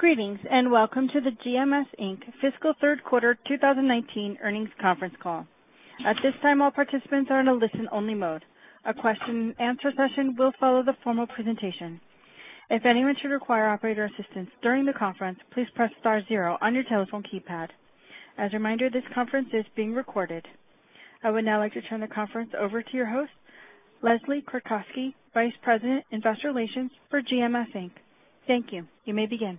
Greetings. Welcome to the GMS Inc. fiscal third quarter 2019 earnings conference call. At this time, all participants are in a listen-only mode. A question-and-answer session will follow the formal presentation. If anyone should require operator assistance during the conference, please press star zero on your telephone keypad. As a reminder, this conference is being recorded. I would now like to turn the conference over to your host, Leslie Kratcoski, Vice President, Investor Relations for GMS Inc. Thank you. You may begin.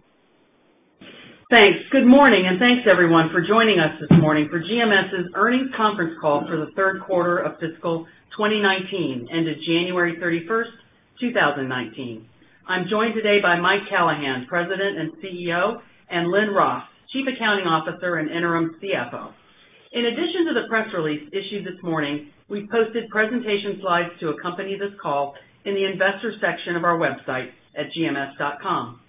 Thanks. Good morning. Thanks everyone for joining us this morning for GMS's earnings conference call for the third quarter of fiscal 2019, ended January 31st, 2019. I'm joined today by Mike Callahan, President and CEO, and Lynn Ross, Chief Accounting Officer and Interim CFO. In addition to the press release issued this morning, we've posted presentation slides to accompany this call in the investors section of our website at gms.com.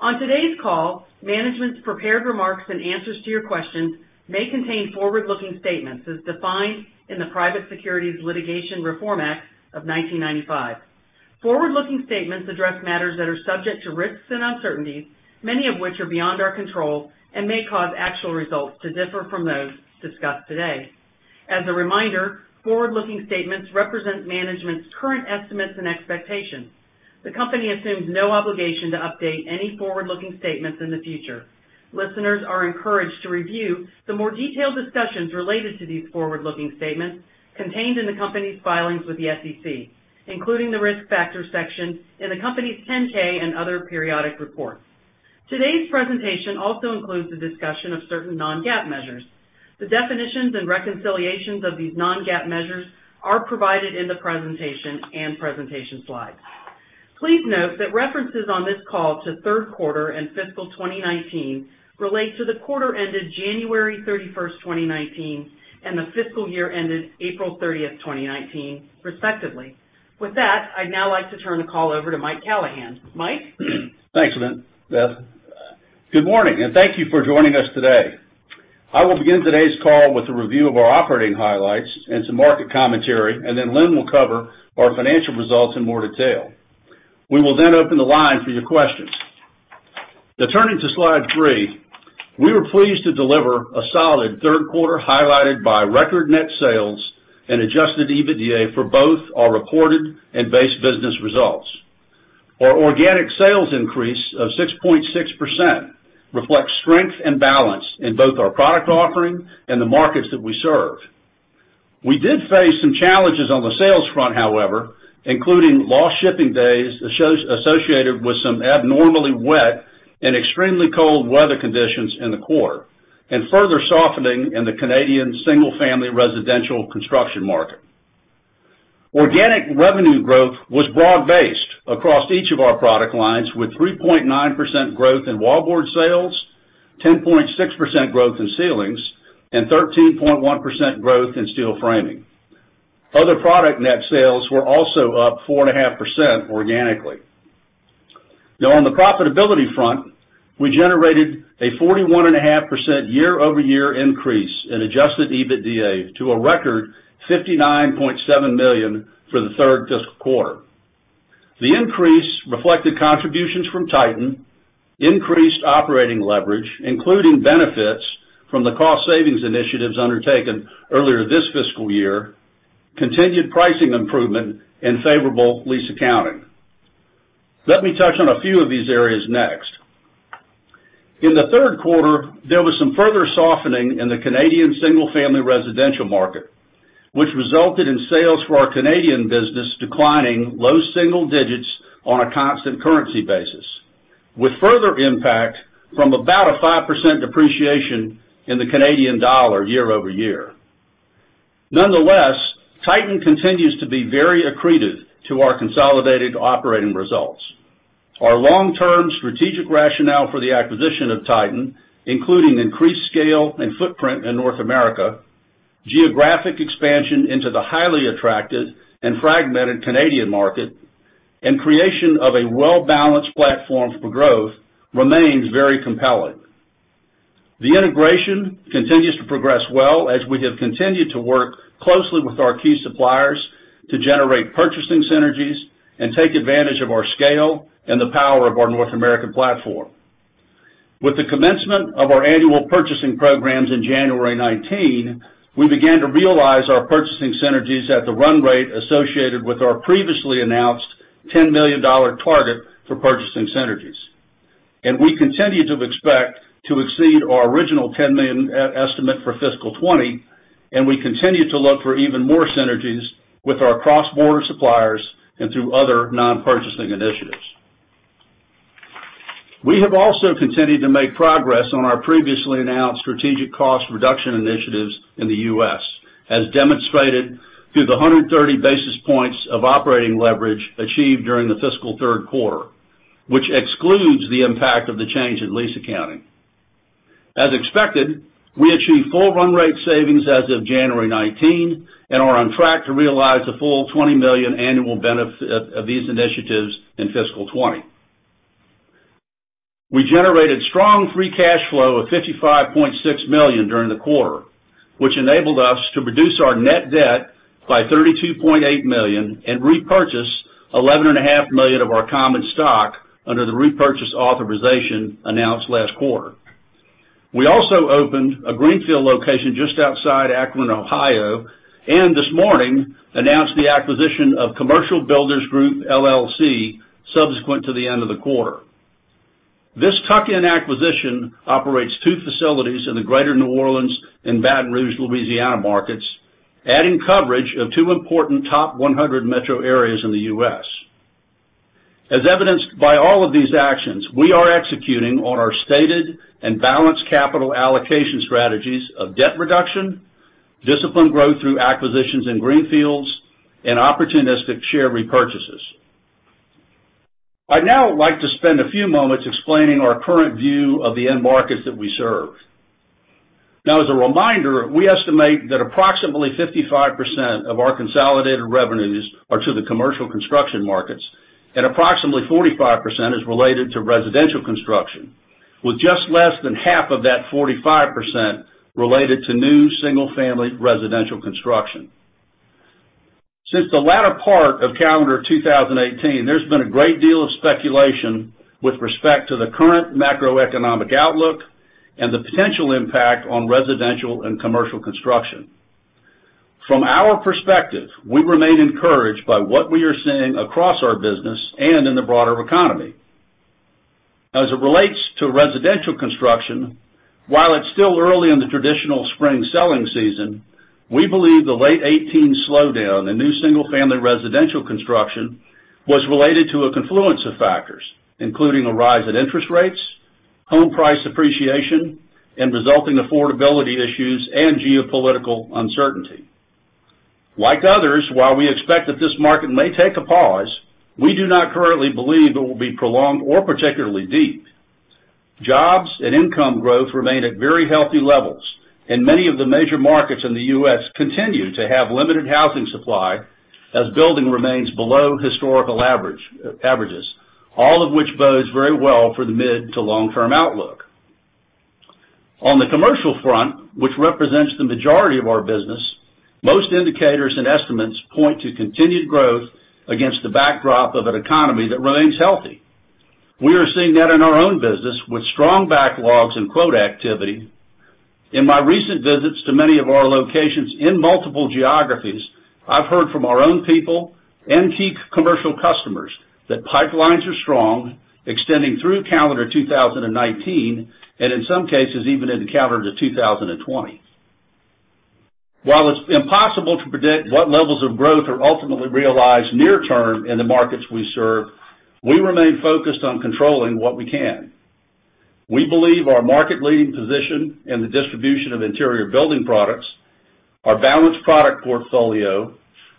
On today's call, management's prepared remarks and answers to your questions may contain forward-looking statements as defined in the Private Securities Litigation Reform Act of 1995. Forward-looking statements address matters that are subject to risks and uncertainties, many of which are beyond our control and may cause actual results to differ from those discussed today. As a reminder, forward-looking statements represent management's current estimates and expectations. The company assumes no obligation to update any forward-looking statements in the future. Listeners are encouraged to review the more detailed discussions related to these forward-looking statements contained in the company's filings with the SEC, including the Risk Factors section in the company's 10-K and other periodic reports. Today's presentation also includes a discussion of certain non-GAAP measures. The definitions and reconciliations of these non-GAAP measures are provided in the presentation and presentation slides. Please note that references on this call to third quarter and fiscal 2019 relate to the quarter ended January 31st, 2019, and the fiscal year ended April 30th, 2019, respectively. With that, I'd now like to turn the call over to Mike Callahan. Mike? Thanks, Leslie. Good morning. Thank you for joining us today. I will begin today's call with a review of our operating highlights and some market commentary. Lynn will cover our financial results in more detail. We will open the line for your questions. Now, turning to slide three, we were pleased to deliver a solid third quarter highlighted by record net sales and adjusted EBITDA for both our reported and base business results. Our organic sales increase of 6.6% reflects strength and balance in both our product offering and the markets that we serve. We did face some challenges on the sales front, however, including lost shipping days associated with some abnormally wet and extremely cold weather conditions in the quarter, and further softening in the Canadian single-family residential construction market. Organic revenue growth was broad-based across each of our product lines, with 3.9% growth in wallboard sales, 10.6% growth in ceilings, and 13.1% growth in steel framing. Other product net sales were also up 4.5% organically. On the profitability front, we generated a 41.5% year-over-year increase in adjusted EBITDA to a record $59.7 million for the third fiscal quarter. The increase reflected contributions from Titan, increased operating leverage, including benefits from the cost savings initiatives undertaken earlier this fiscal year, continued pricing improvement, and favorable lease accounting. Let me touch on a few of these areas next. In the third quarter, there was some further softening in the Canadian single-family residential market, which resulted in sales for our Canadian business declining low single digits on a constant currency basis, with further impact from about a 5% depreciation in the Canadian dollar year-over-year. Nonetheless, Titan continues to be very accretive to our consolidated operating results. Our long-term strategic rationale for the acquisition of Titan, including increased scale and footprint in North America, geographic expansion into the highly attractive and fragmented Canadian market, and creation of a well-balanced platform for growth, remains very compelling. The integration continues to progress well as we have continued to work closely with our key suppliers to generate purchasing synergies and take advantage of our scale and the power of our North American platform. With the commencement of our annual purchasing programs in January 2019, we began to realize our purchasing synergies at the run rate associated with our previously announced $10 million target for purchasing synergies. We continue to expect to exceed our original $10 million estimate for fiscal 2020, and we continue to look for even more synergies with our cross-border suppliers and through other non-purchasing initiatives. We have also continued to make progress on our previously announced strategic cost reduction initiatives in the U.S., as demonstrated through the 130 basis points of operating leverage achieved during the fiscal third quarter, which excludes the impact of the change in lease accounting. As expected, we achieved full run rate savings as of January 2019 and are on track to realize the full $20 million annual benefit of these initiatives in fiscal 2020. We generated strong free cash flow of $55.6 million during the quarter, which enabled us to reduce our net debt by $32.8 million and repurchase $11.5 million of our common stock under the repurchase authorization announced last quarter. We also opened a greenfield location just outside Akron, Ohio, and this morning announced the acquisition of Commercial Builders Group, LLC subsequent to the end of the quarter. This tuck-in acquisition operates two facilities in the Greater New Orleans and Baton Rouge, Louisiana, markets, adding coverage of two important top 100 metro areas in the U.S. As evidenced by all of these actions, we are executing on our stated and balanced capital allocation strategies of debt reduction, disciplined growth through acquisitions in greenfields, and opportunistic share repurchases. I'd now like to spend a few moments explaining our current view of the end markets that we serve. As a reminder, we estimate that approximately 55% of our consolidated revenues are to the commercial construction markets, and approximately 45% is related to residential construction, with just less than half of that 45% related to new, single-family residential construction. Since the latter part of calendar 2018, there's been a great deal of speculation with respect to the current macroeconomic outlook and the potential impact on residential and commercial construction. From our perspective, we remain encouraged by what we are seeing across our business and in the broader economy. As it relates to residential construction, while it's still early in the traditional spring selling season, we believe the late 2018 slowdown in new, single-family residential construction was related to a confluence of factors, including a rise in interest rates, home price appreciation, and resulting affordability issues and geopolitical uncertainty. Like others, while we expect that this market may take a pause, we do not currently believe it will be prolonged or particularly deep. Jobs and income growth remain at very healthy levels, and many of the major markets in the U.S. continue to have limited housing supply as building remains below historical averages, all of which bodes very well for the mid to long term outlook. On the commercial front, which represents the majority of our business, most indicators and estimates point to continued growth against the backdrop of an economy that remains healthy. We are seeing that in our own business with strong backlogs and quote activity. In my recent visits to many of our locations in multiple geographies, I've heard from our own people and key commercial customers that pipelines are strong, extending through calendar 2019, and in some cases, even into calendar 2020. While it's impossible to predict what levels of growth are ultimately realized near term in the markets we serve, we remain focused on controlling what we can. We believe our market leading position in the distribution of interior building products, our balanced product portfolio,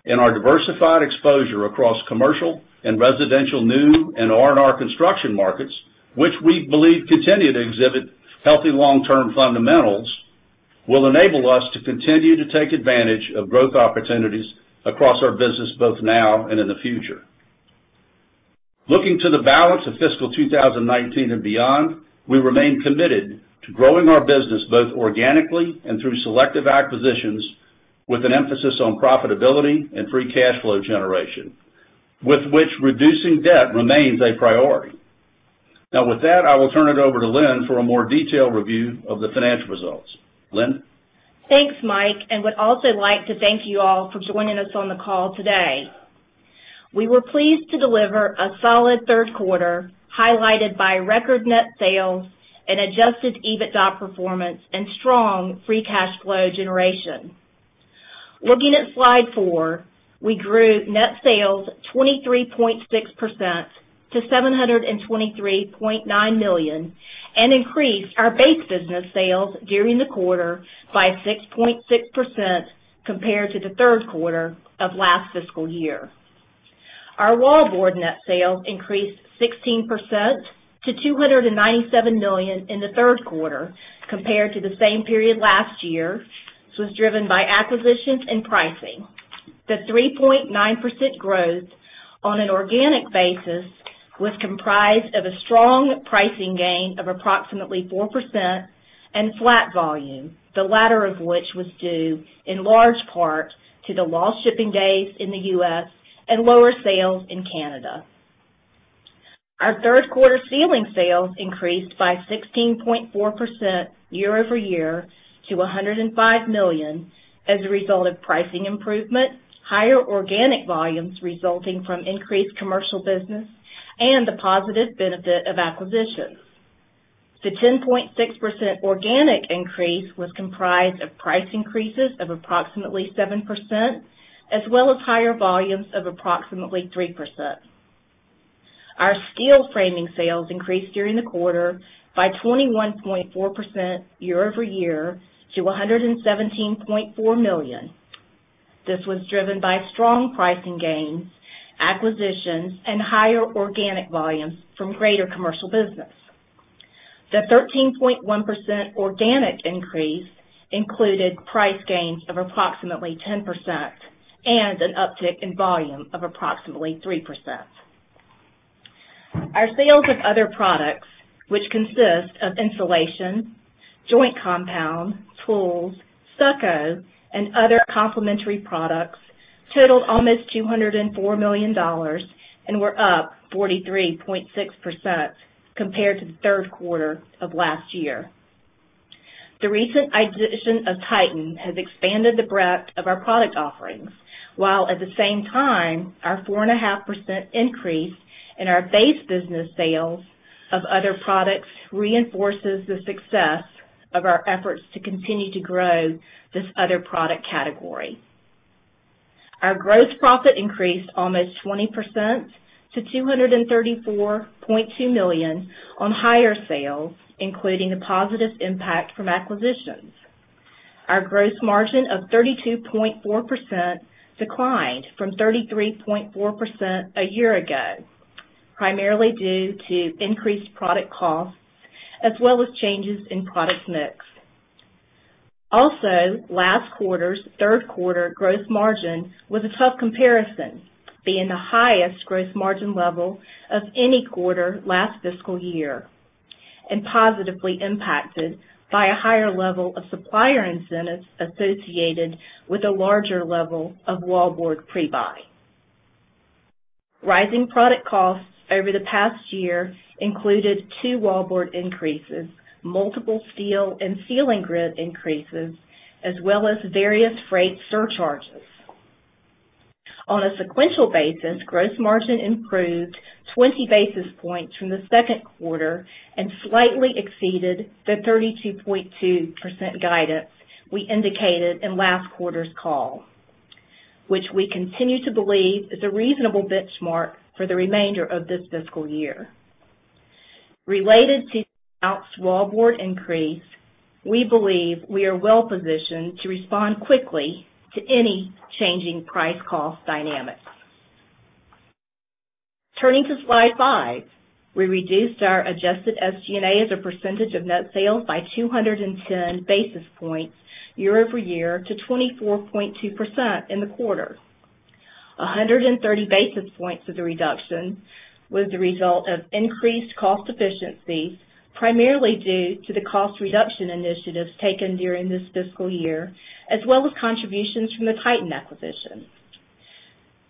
and our diversified exposure across commercial and residential new and R&R construction markets, which we believe continue to exhibit healthy long-term fundamentals, will enable us to continue to take advantage of growth opportunities across our business, both now and in the future. Looking to the balance of fiscal 2019 and beyond, we remain committed to growing our business both organically and through selective acquisitions, with an emphasis on profitability and free cash flow generation, with which reducing debt remains a priority. With that, I will turn it over to Lynn for a more detailed review of the financial results. Lynn? Thanks, Mike, and would also like to thank you all for joining us on the call today. We were pleased to deliver a solid third quarter, highlighted by record net sales and adjusted EBITDA performance and strong free cash flow generation. Looking at slide four, we grew net sales 23.6% to $723.9 million, and increased our base business sales during the quarter by 6.6% compared to the third quarter of last fiscal year. Our wallboard net sales increased 16% to $297 million in the third quarter compared to the same period last year. This was driven by acquisitions and pricing. The 3.9% growth on an organic basis was comprised of a strong pricing gain of approximately 4% and flat volume, the latter of which was due in large part to the lost shipping days in the U.S. and lower sales in Canada. Our third quarter ceiling sales increased by 16.4% year-over-year to $105 million as a result of pricing improvement, higher organic volumes resulting from increased commercial business, and the positive benefit of acquisitions. The 10.6% organic increase was comprised of price increases of approximately 7%, as well as higher volumes of approximately 3%. Our steel framing sales increased during the quarter by 21.4% year-over-year to $117.4 million. This was driven by strong pricing gains, acquisitions, and higher organic volumes from greater commercial business. The 13.1% organic increase included price gains of approximately 10% and an uptick in volume of approximately 3%. Our sales of other products, which consist of insulation, joint compound, tools, stucco, and other complementary products, totaled almost $204 million and were up 43.6% compared to the third quarter of last year. The recent acquisition of Titan has expanded the breadth of our product offerings, while at the same time, our 4.5% increase in our base business sales of other products reinforces the success of our efforts to continue to grow this other product category. Our gross profit increased almost 20% to $234.2 million on higher sales, including a positive impact from acquisitions. Our gross margin of 32.4% declined from 33.4% a year ago, primarily due to increased product costs as well as changes in product mix. Last quarter's third quarter gross margin was a tough comparison, being the highest gross margin level of any quarter last fiscal year, and positively impacted by a higher level of supplier incentives associated with a larger level of wallboard pre-buy. Rising product costs over the past year included two wallboard increases, multiple steel and ceiling grid increases, as well as various freight surcharges. On a sequential basis, gross margin improved 20 basis points from the second quarter and slightly exceeded the 32.2% guidance we indicated in last quarter's call, which we continue to believe is a reasonable benchmark for the remainder of this fiscal year. Related to wallboard increase, we believe we are well-positioned to respond quickly to any changing price cost dynamics. Turning to slide five, we reduced our adjusted SG&A as a percentage of net sales by 210 basis points year-over-year to 24.2% in the quarter. 130 basis points of the reduction was the result of increased cost efficiency, primarily due to the cost reduction initiatives taken during this fiscal year, as well as contributions from the Titan acquisition.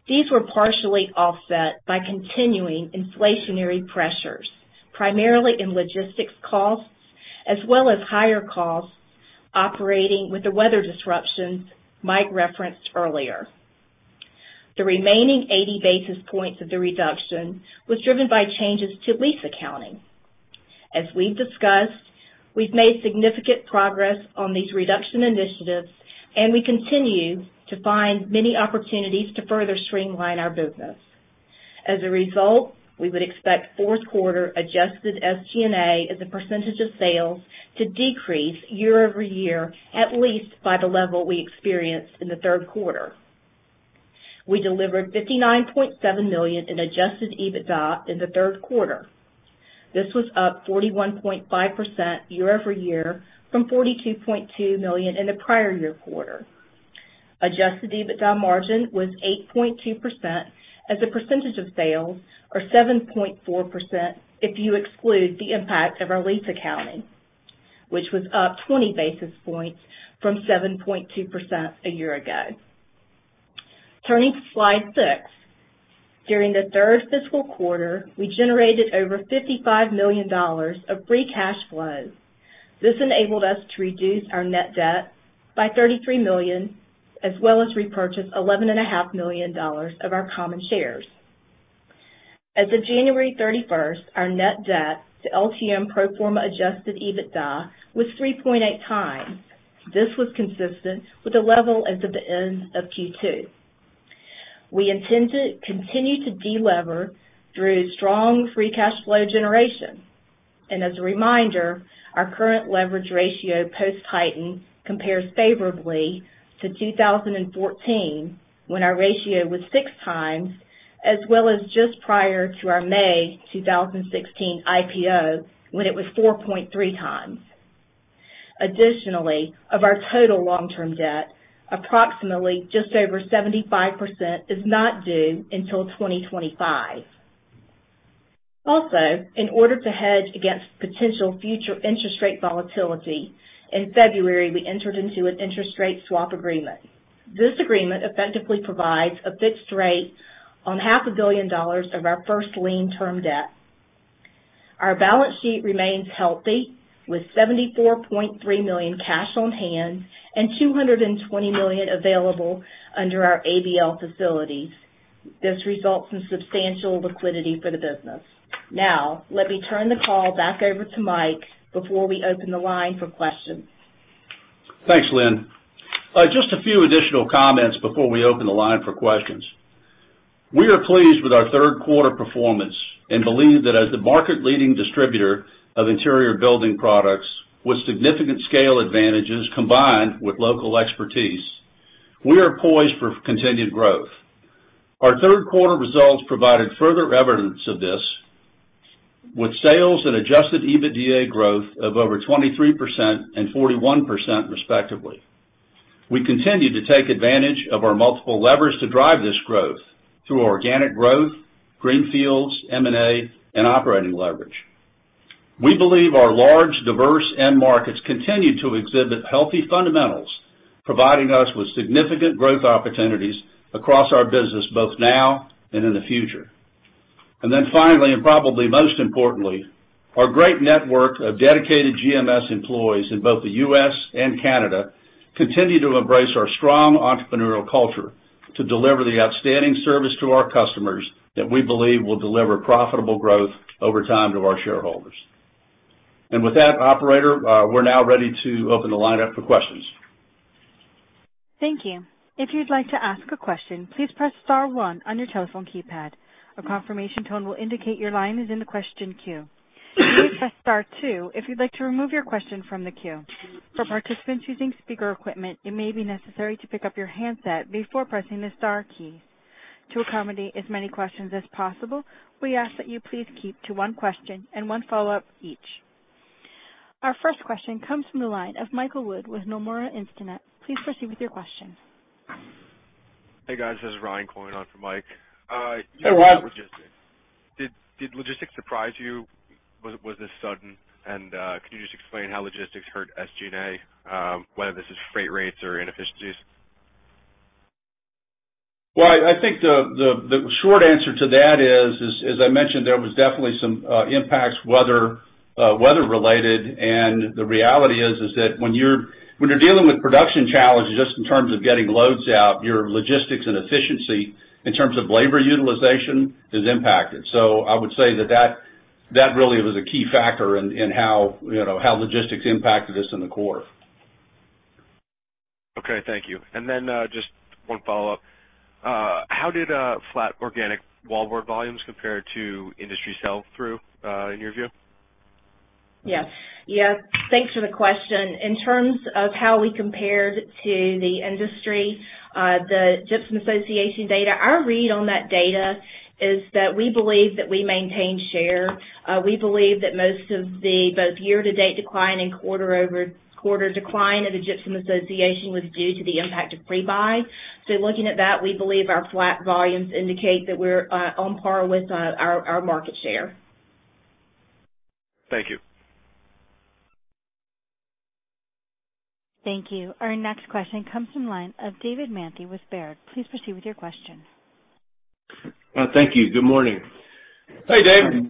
These were partially offset by continuing inflationary pressures, primarily in logistics costs, as well as higher costs operating with the weather disruptions Mike referenced earlier. The remaining 80 basis points of the reduction was driven by changes to lease accounting. As we've discussed, we've made significant progress on these reduction initiatives, and we continue to find many opportunities to further streamline our business. As a result, we would expect fourth quarter adjusted SG&A as a percentage of sales to decrease year-over-year at least by the level we experienced in the third quarter. We delivered $59.7 million in adjusted EBITDA in the third quarter. This was up 41.5% year-over-year from $42.2 million in the prior year quarter. Adjusted EBITDA margin was 8.2% as a percentage of sales, or 7.4% if you exclude the impact of our lease accounting, which was up 20 basis points from 7.2% a year ago. Turning to slide six. During the third fiscal quarter, we generated over $55 million of free cash flow. This enabled us to reduce our net debt by $33 million, as well as repurchase $11.5 million of our common shares. As of January 31st, our net debt to LTM pro forma adjusted EBITDA was 3.8 times. This was consistent with the level as of the end of Q2. We intend to continue to de-lever through strong free cash flow generation. As a reminder, our current leverage ratio post Titan compares favorably to 2014, when our ratio was six times, as well as just prior to our May 2016 IPO, when it was 4.3 times. Additionally, of our total long-term debt, approximately just over 75% is not due until 2025. In order to hedge against potential future interest rate volatility, in February, we entered into an interest rate swap agreement. This agreement effectively provides a fixed rate on half a billion dollars of our first lien term debt. Our balance sheet remains healthy with $74.3 million cash on hand and $220 million available under our ABL facilities. This results in substantial liquidity for the business. Let me turn the call back over to Mike before we open the line for questions. Thanks, Lynn. Just a few additional comments before we open the line for questions. We are pleased with our third quarter performance and believe that as the market leading distributor of interior building products with significant scale advantages combined with local expertise, we are poised for continued growth. Our third quarter results provided further evidence of this with sales and adjusted EBITDA growth of over 23% and 41% respectively. We continue to take advantage of our multiple levers to drive this growth through organic growth, greenfields, M&A, and operating leverage. We believe our large, diverse end markets continue to exhibit healthy fundamentals, providing us with significant growth opportunities across our business, both now and in the future. Then finally, and probably most importantly, our great network of dedicated GMS employees in both the U.S. and Canada continue to embrace our strong entrepreneurial culture to deliver the outstanding service to our customers that we believe will deliver profitable growth over time to our shareholders. With that, operator, we're now ready to open the line up for questions. Thank you. If you'd like to ask a question, please press star one on your telephone keypad. A confirmation tone will indicate your line is in the question queue. You may press star two if you'd like to remove your question from the queue. For participants using speaker equipment, it may be necessary to pick up your handset before pressing the star key. To accommodate as many questions as possible, we ask that you please keep to one question and one follow-up each. Our first question comes from the line of Michael Wood with Nomura Instinet. Please proceed with your question. Hey, guys. This is Ryan calling on for Mike. Hey, Ryan. Can you just explain how logistics hurt SG&A, whether this is freight rates or inefficiencies? I think the short answer to that is, as I mentioned, there was definitely some impacts, weather-related. The reality is that when you're dealing with production challenges, just in terms of getting loads out, your logistics and efficiency in terms of labor utilization is impacted. I would say that really was a key factor in how logistics impacted us in the core. Okay. Thank you. Just one follow-up. How did flat organic wallboard volumes compare to industry sell-through, in your view? Yes. Thanks for the question. In terms of how we compared to the industry, the Gypsum Association data, our read on that data is that we believe that we maintained share. We believe that most of the both year-to-date decline and quarter-over-quarter decline of the Gypsum Association was due to the impact of pre-buy. Looking at that, we believe our flat volumes indicate that we're on par with our market share. Thank you. Thank you. Our next question comes from line of David Manthey with Baird. Please proceed with your question. Thank you. Good morning. Hey, David.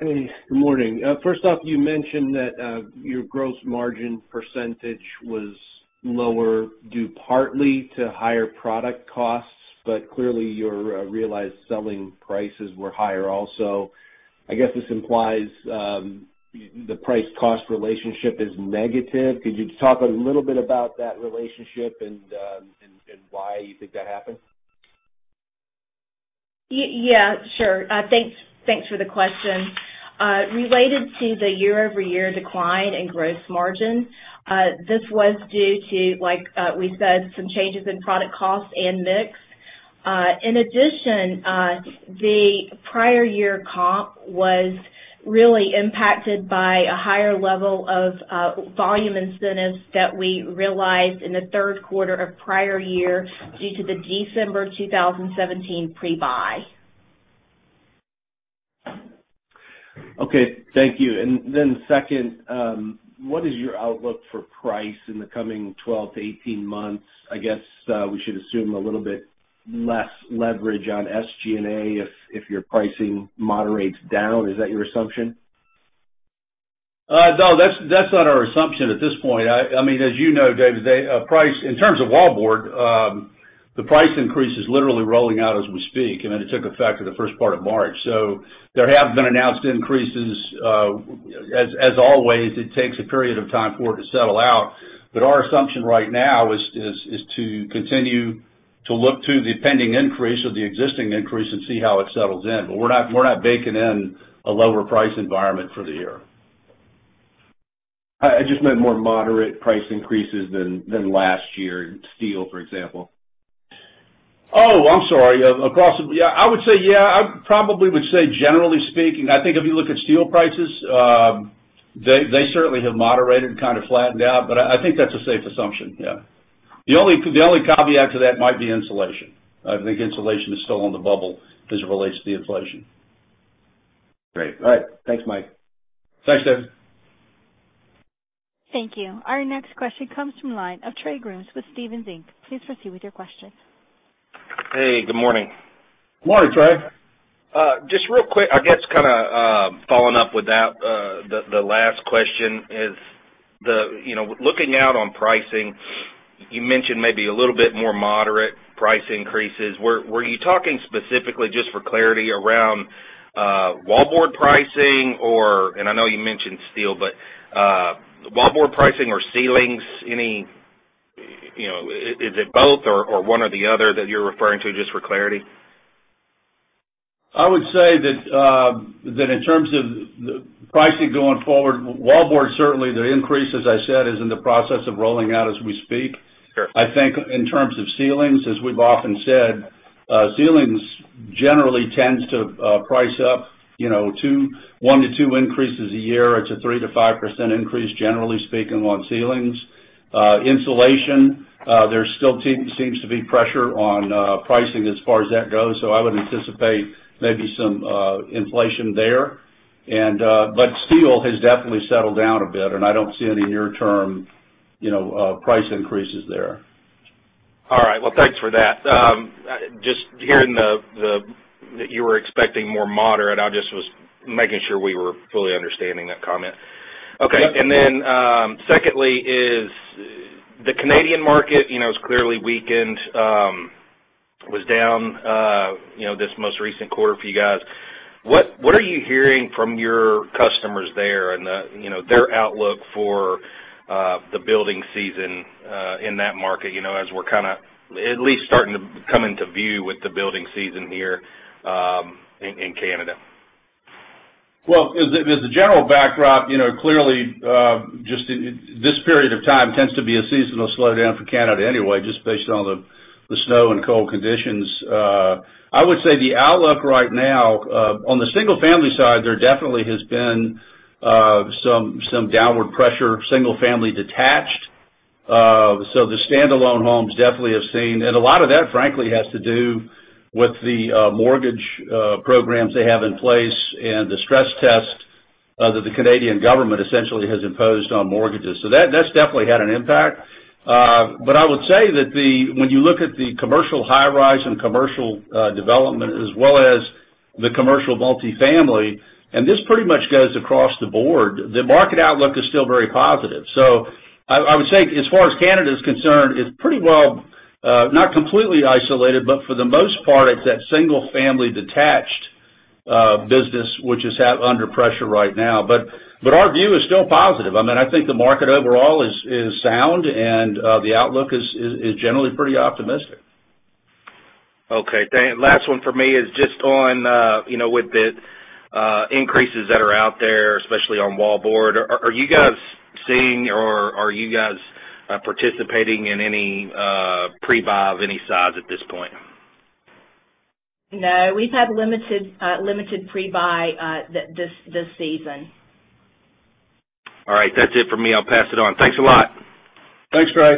Hey, good morning. First off, you mentioned that your gross margin % was lower due partly to higher product costs. Clearly your realized selling prices were higher also. I guess this implies the price-cost relationship is negative. Could you talk a little bit about that relationship and why you think that happened? Yeah, sure. Thanks for the question. Related to the year-over-year decline in gross margin, this was due to, like we said, some changes in product cost and mix. In addition, the prior year comp was really impacted by a higher level of volume incentives that we realized in the third quarter of prior year due to the December 2017 pre-buy. Okay. Thank you. Second, what is your outlook for price in the coming 12 to 18 months? I guess we should assume a little bit less leverage on SG&A if your pricing moderates down. Is that your assumption? No, that's not our assumption at this point. As you know, David, in terms of wallboard, the price increase is literally rolling out as we speak, and then it took effect in the first part of March. There have been announced increases. As always, it takes a period of time for it to settle out. Our assumption right now is to continue to look to the pending increase or the existing increase and see how it settles in. We're not baking in a lower price environment for the year. I just meant more moderate price increases than last year. Steel, for example. Oh, I'm sorry. Yeah, I would say yeah. I probably would say, generally speaking, I think if you look at steel prices, they certainly have moderated and kind of flattened out, but I think that's a safe assumption. Yeah. The only caveat to that might be insulation. I think insulation is still on the bubble as it relates to the inflation. Great. All right. Thanks, Mike. Thanks, David. Thank you. Our next question comes from line of Trey Grooms with Stephens Inc. Please proceed with your question. Hey, good morning. Good morning, Trey. Just real quick, I guess kind of following up with the last question is, looking out on pricing, you mentioned maybe a little bit more moderate price increases. Were you talking specifically, just for clarity, around wallboard pricing or, and I know you mentioned steel, but wallboard pricing or ceilings? Is it both or one or the other that you're referring to, just for clarity? I would say that in terms of pricing going forward, wallboard, certainly the increase, as I said, is in the process of rolling out as we speak. Sure. I think in terms of ceilings, as we've often said, ceilings generally tends to price up one to two increases a year. It's a 3%-5% increase, generally speaking, on ceilings. Insulation, there still seems to be pressure on pricing as far as that goes, so I would anticipate maybe some inflation there. Steel has definitely settled down a bit, and I don't see any near-term price increases there. All right. Well, thanks for that. Just hearing that you were expecting more moderate, I just was making sure we were fully understanding that comment. Okay. Secondly is, the Canadian market is clearly weakened, was down this most recent quarter for you guys. What are you hearing from your customers there and their outlook for the building season in that market, as we're kind of at least starting to come into view with the building season here in Canada? Well, as the general backdrop, clearly just this period of time tends to be a seasonal slowdown for Canada anyway, just based on the snow and cold conditions. I would say the outlook right now, on the single-family side, there definitely has been some downward pressure, single-family detached. The standalone homes definitely have seen. A lot of that, frankly, has to do with the mortgage programs they have in place and the stress test that the Canadian government essentially has imposed on mortgages. That's definitely had an impact. I would say that when you look at the commercial high rise and commercial development as well as the commercial multifamily, and this pretty much goes across the board, the market outlook is still very positive. I would say as far as Canada is concerned, it's pretty well, not completely isolated, but for the most part, it's that single-family detached business which is under pressure right now. Our view is still positive. I think the market overall is sound, and the outlook is generally pretty optimistic. Okay, thanks. Last one for me is just on with the increases that are out there, especially on wallboard. Are you guys seeing, or are you guys participating in any pre-buy of any size at this point? No, we've had limited pre-buy this season. All right. That's it for me. I'll pass it on. Thanks a lot. Thanks, Trey.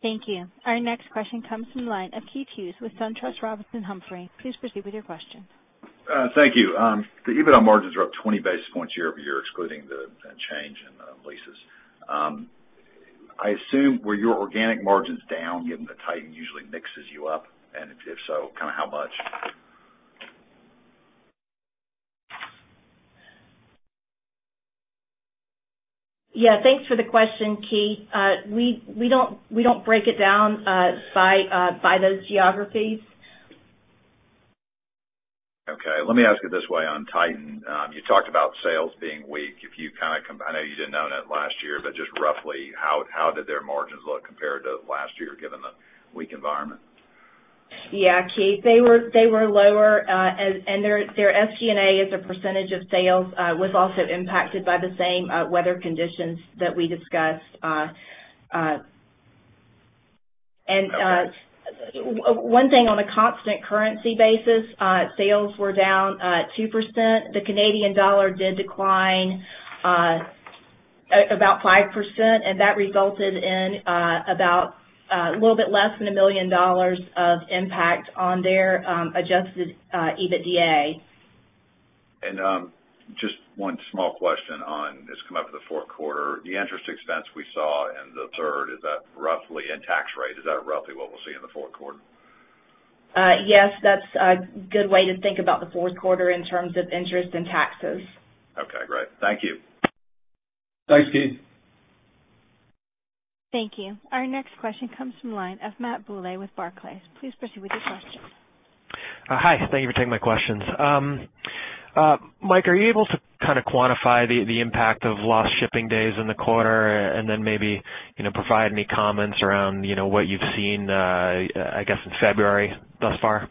Thank you. Our next question comes from the line of Keith Hughes with SunTrust Robinson Humphrey. Please proceed with your question. Thank you. The EBITDA margins are up 20 basis points year-over-year, excluding the change in leases. I assume, were your organic margins down given that Titan usually mixes you up, and if so, kind of how much? Yeah. Thanks for the question, Keith. We don't break it down by those geographies. Okay. Let me ask it this way on Titan. You talked about sales being weak. I know you didn't own it last year, but just roughly, how did their margins look compared to last year, given the weak environment? Yeah, Keith. They were lower, and their SG&A as a % of sales was also impacted by the same weather conditions that we discussed. Okay. One thing on a constant currency basis, sales were down 2%. The Canadian dollar did decline about 5%, and that resulted in about a little bit less than $1 million of impact on their adjusted EBITDA. Just one small question on this come up with the fourth quarter. The interest expense we saw in the third, is that roughly in tax rate? Is that roughly what we'll see in the fourth quarter? Yes, that's a good way to think about the fourth quarter in terms of interest and taxes. Okay, great. Thank you. Thanks, Keith. Thank you. Our next question comes from the line of Matt Bouley with Barclays. Please proceed with your question. Hi. Thank you for taking my questions. Mike, are you able to kind of quantify the impact of lost shipping days in the quarter, and then maybe provide any comments around what you've seen, I guess, in February thus far?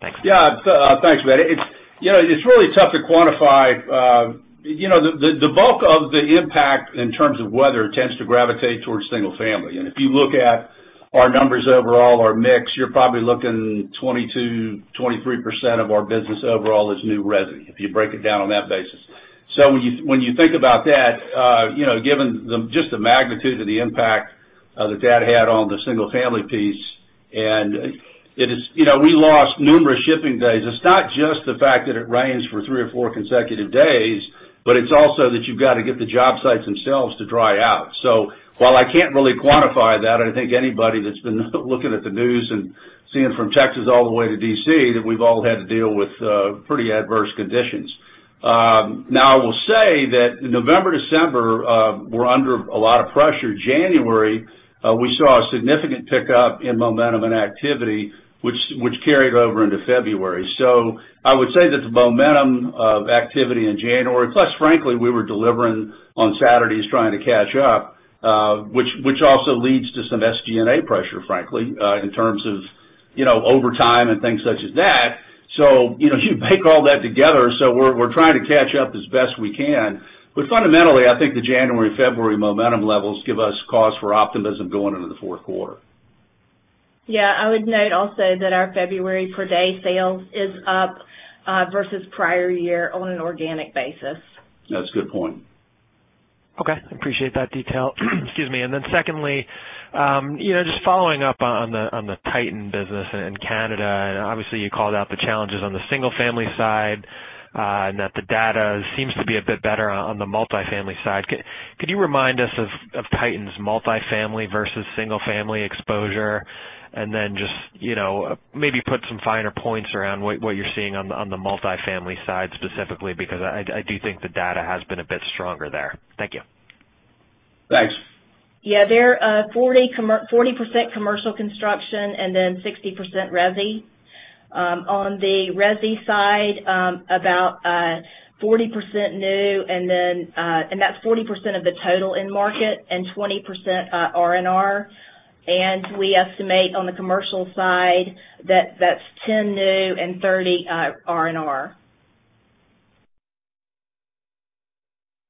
Thanks. Yeah. Thanks, Matt. It's really tough to quantify. The bulk of the impact in terms of weather tends to gravitate towards single family. If you look at our numbers overall, our mix, you're probably looking 22%-23% of our business overall is new resi, if you break it down on that basis. When you think about that, given just the magnitude of the impact that had on the single family piece, and we lost numerous shipping days. It's not just the fact that it rains for three or four consecutive days, but it's also that you've got to get the job sites themselves to dry out. While I can't really quantify that, I think anybody that's been looking at the news and seeing from Texas all the way to D.C., that we've all had to deal with pretty adverse conditions. Now, I will say that November, December, we're under a lot of pressure. January, we saw a significant pickup in momentum and activity, which carried over into February. I would say that the momentum of activity in January, plus frankly, we were delivering on Saturdays trying to catch up, which also leads to some SG&A pressure, frankly, in terms of overtime and things such as that. You bake all that together, we're trying to catch up as best we can. Fundamentally, I think the January, February momentum levels give us cause for optimism going into the fourth quarter. Yeah, I would note also that our February per-day sales is up versus prior year on an organic basis. That's a good point. Okay. Appreciate that detail. Excuse me. Secondly, just following up on the WSB Titan business in Canada, obviously, you called out the challenges on the single-family side, the data seems to be a bit better on the multifamily side. Could you remind us of WSB Titan's multifamily versus single-family exposure, then just maybe put some finer points around what you're seeing on the multifamily side specifically, because I do think the data has been a bit stronger there. Thank you. Thanks. Yeah. They're 40% commercial construction, 60% resi. On the resi side, about 40% new, that's 40% of the total end market and 20% R&R. We estimate on the commercial side that that's 10 new and 30 R&R.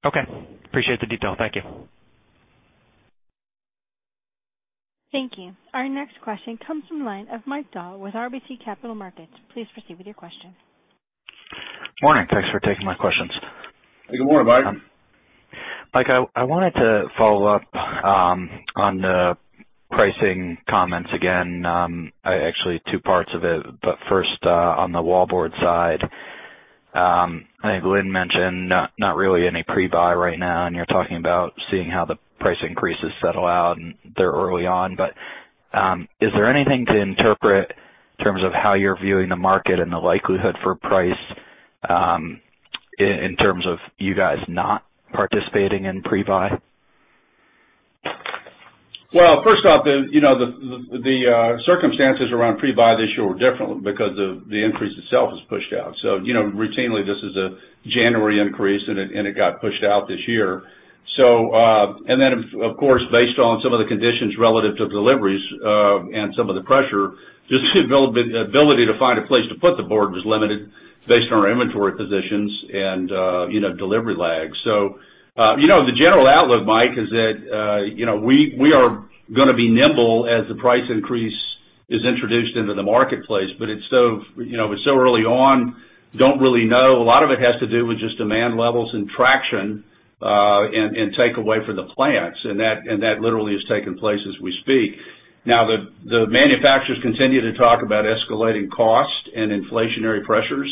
Okay. Appreciate the detail. Thank you. Thank you. Our next question comes from the line of Mike Dahl with RBC Capital Markets. Please proceed with your question. Morning. Thanks for taking my questions. Good morning, Mike. Mike, I wanted to follow up on the pricing comments again. Actually two parts of it. First, on the wallboard side. I think Lynn mentioned not really any pre-buy right now, and you're talking about seeing how the price increases settle out and they're early on. Is there anything to interpret in terms of how you're viewing the market and the likelihood for price in terms of you guys not participating in pre-buy? Well, first off, the circumstances around pre-buy this year were different because the increase itself is pushed out. Routinely, this is a January increase, and it got pushed out this year. Of course, based on some of the conditions relative to deliveries and some of the pressure, just the ability to find a place to put the board was limited based on our inventory positions and delivery lags. The general outlook, Mike, is that we are going to be nimble as the price increase is introduced into the marketplace, but it's so early on, don't really know. A lot of it has to do with just demand levels and traction, and take away for the plants. That literally is taking place as we speak. Now, the manufacturers continue to talk about escalating costs and inflationary pressures,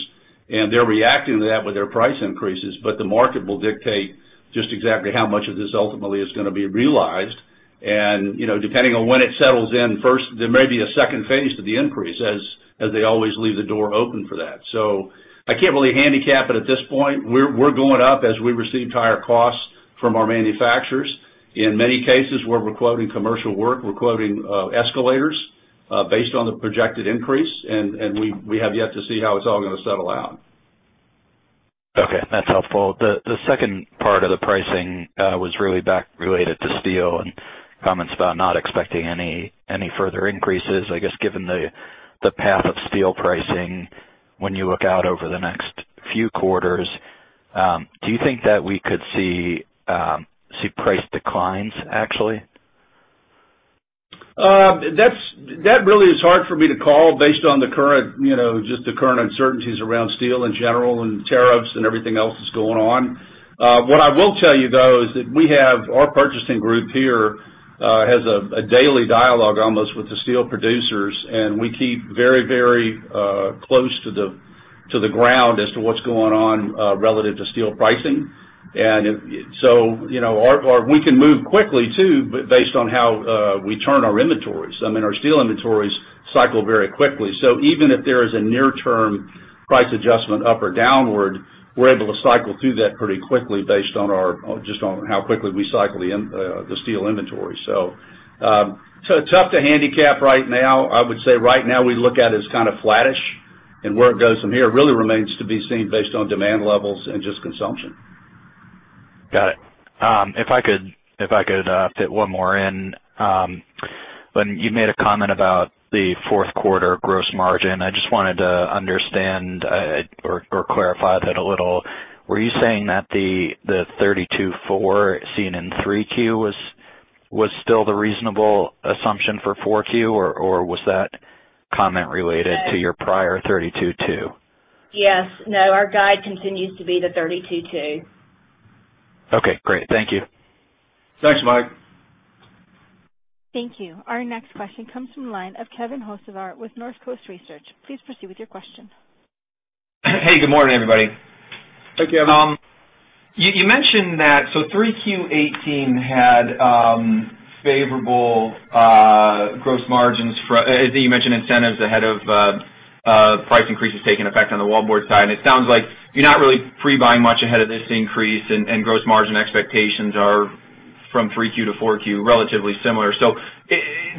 and they're reacting to that with their price increases. The market will dictate just exactly how much of this ultimately is going to be realized. Depending on when it settles in first, there may be a second phase to the increase as they always leave the door open for that. I can't really handicap it at this point. We're going up as we receive higher costs from our manufacturers. In many cases, where we're quoting commercial work, we're quoting escalators based on the projected increase, and we have yet to see how it's all going to settle out. Okay. That's helpful. The second part of the pricing was really back related to steel and comments about not expecting any further increases. I guess, given the path of steel pricing, when you look out over the next few quarters, do you think that we could see price declines, actually? That really is hard for me to call based on just the current uncertainties around steel in general and tariffs and everything else that's going on. What I will tell you, though, is that our purchasing group here has a daily dialogue almost with the steel producers, and we keep very close to the ground as to what's going on relative to steel pricing. We can move quickly too, based on how we turn our inventories. Our steel inventories cycle very quickly. Even if there is a near term price adjustment up or downward, we're able to cycle through that pretty quickly based on just how quickly we cycle the steel inventory. It's tough to handicap right now. I would say right now we look at as kind of flattish, and where it goes from here really remains to be seen based on demand levels and just consumption. Got it. If I could fit one more in. When you made a comment about the fourth quarter gross margin, I just wanted to understand or clarify that a little. Were you saying that the 32.4 seen in Q3 was still the reasonable assumption for Q4, or was that comment related to your prior 32.2? Yes. No, our guide continues to be the 32.2. Okay, great. Thank you. Thanks, Mike. Thank you. Our next question comes from the line of Kevin Hocevar with Northcoast Research. Please proceed with your question. Hey, good morning, everybody. Hey, Kevin. You mentioned that Q3 2018 had favorable gross margins I think you mentioned incentives ahead of price increases taking effect on the wallboard side. It sounds like you're not really pre-buying much ahead of this increase, and gross margin expectations are from Q3 to Q4, relatively similar.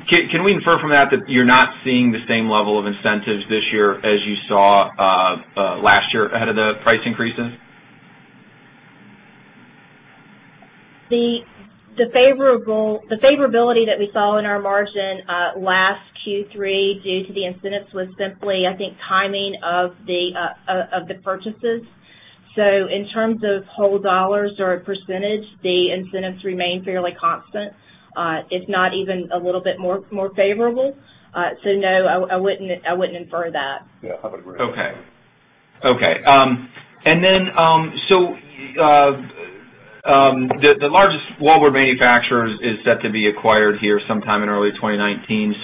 Can we infer from that you're not seeing the same level of incentives this year as you saw last year ahead of the price increases? The favorability that we saw in our margin last Q3 due to the incentives was simply, I think, timing of the purchases. In terms of whole dollars or a percentage, the incentives remain fairly constant, if not even a little bit more favorable. No, I wouldn't infer that. Yeah. I would agree. Okay. The largest wallboard manufacturer is set to be acquired here sometime in early 2019.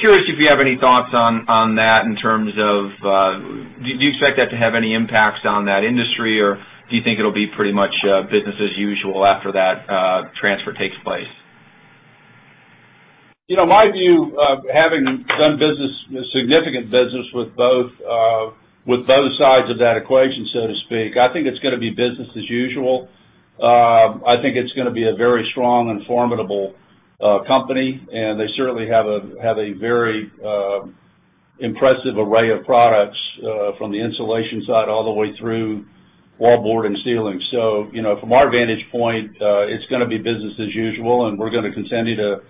Curious if you have any thoughts on that in terms of, do you expect that to have any impacts on that industry, or do you think it'll be pretty much business as usual after that transfer takes place? My view of having done significant business with both sides of that equation, so to speak, I think it's going to be business as usual. I think it's going to be a very strong and formidable company, and they certainly have a very impressive array of products from the insulation side all the way through wallboard and ceiling. From our vantage point, it's going to be business as usual, and we're going to continue to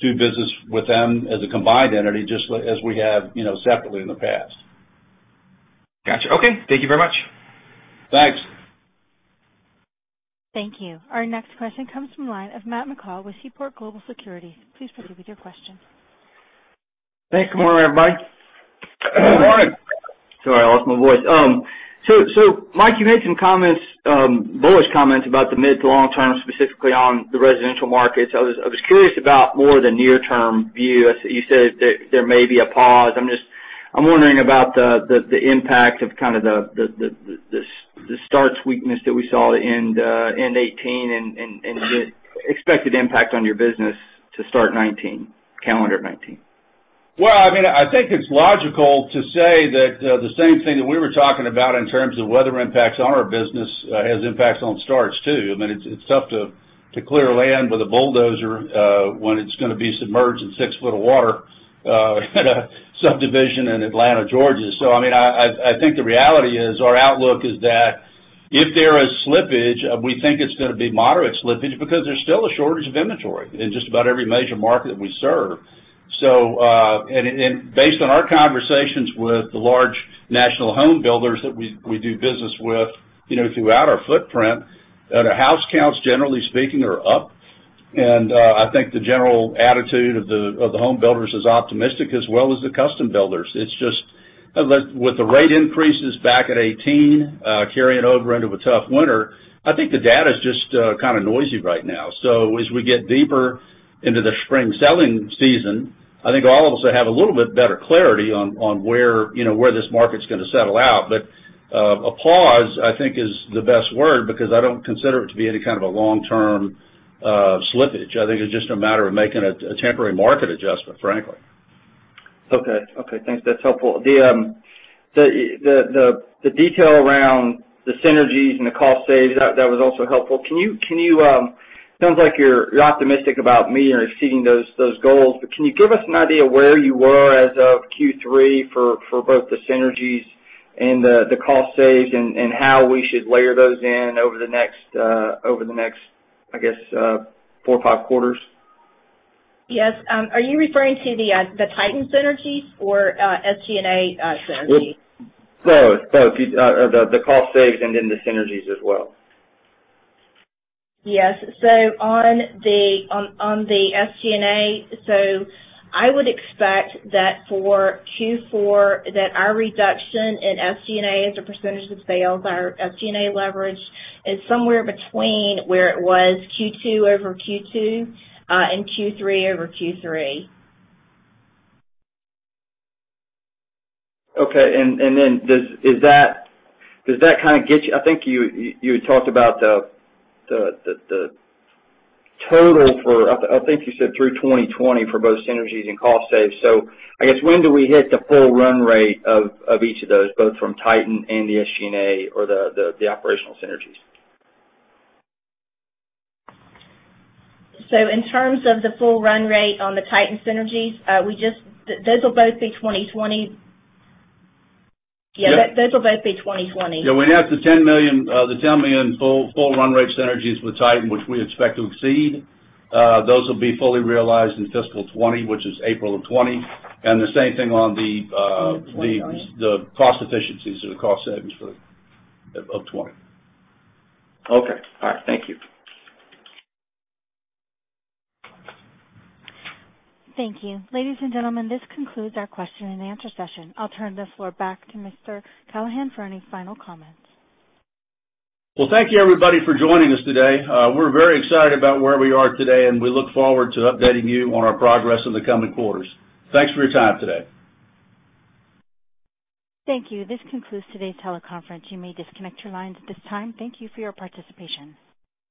do business with them as a combined entity, just as we have separately in the past. Got you. Okay. Thank you very much. Thanks. Thank you. Our next question comes from the line of Matt McCall with Seaport Global Securities. Please proceed with your question. Thanks. Good morning, everybody. Good morning. I lost my voice. Mike, you made some bullish comments about the mid to long term, specifically on the residential markets. I was curious about more the near term view. You said that there may be a pause. I'm wondering about the impact of the start weakness that we saw in 2018 and the expected impact on your business to start calendar 2019. I think it's logical to say that the same thing that we were talking about in terms of weather impacts on our business has impacts on starts, too. It's tough to clear land with a bulldozer when it's going to be submerged in six foot of water at a subdivision in Atlanta, Georgia. I think the reality is our outlook is that if there is slippage, we think it's going to be moderate slippage because there's still a shortage of inventory in just about every major market that we serve. Based on our conversations with the large national home builders that we do business with throughout our footprint, house counts, generally speaking, are up. I think the general attitude of the home builders is optimistic as well as the custom builders. It's just with the rate increases back at 2018 carrying over into a tough winter, I think the data's just kind of noisy right now. As we get deeper into the spring selling season, I think we'll also have a little bit better clarity on where this market's going to settle out. A pause, I think, is the best word because I don't consider it to be any kind of a long-term slippage. I think it's just a matter of making a temporary market adjustment, frankly. Okay. Thanks. That's helpful. The detail around the synergies and the cost saves, that was also helpful. Sounds like you're optimistic about meeting or exceeding those goals, can you give us an idea where you were as of Q3 for both the synergies and the cost saves and how we should layer those in over the next, I guess, four or five quarters? Yes. Are you referring to the Titan synergies or SG&A synergy? Both. The cost saves and then the synergies as well. Yes. On the SG&A, so I would expect that for Q4, that our reduction in SG&A as a percentage of sales, our SG&A leverage is somewhere between where it was Q2 over Q2, and Q3 over Q3. Okay. Then, I think you had talked about the total for, I think you said through 2020 for both synergies and cost saves. I guess when do we hit the full run rate of each of those, both from Titan and the SG&A or the operational synergies? In terms of the full run rate on the Titan synergies, those will both be 2020. Yeah. Those will both be 2020. Yeah. We have the $10 million full run rate synergies with Titan, which we expect to exceed. Those will be fully realized in fiscal 2020, which is April of 2020. April of 2020. the cost efficiencies or the cost savings of 2020. Okay. All right. Thank you. Thank you. Ladies and gentlemen, this concludes our question and answer session. I will turn the floor back to Mr. Callahan for any final comments. Well, thank you everybody for joining us today. We are very excited about where we are today, and we look forward to updating you on our progress in the coming quarters. Thanks for your time today. Thank you. This concludes today's teleconference. You may disconnect your lines at this time. Thank you for your participation.